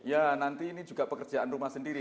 ya nanti ini juga pekerjaan rumah sendiri